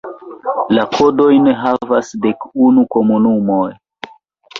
La kodojn havas dek unu komunumoj.